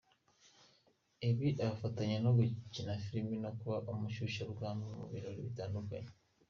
Ibi abifatanya no gukina amafilime no kuba umushyushyarugamba mu birori bitandukanye.